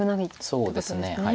そうですね。